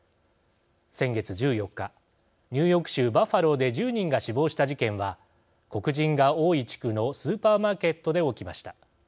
先月１４日ニューヨーク州バッファローで１０人が死亡した事件は黒人が多い地区のスーパーマーケットで起きました。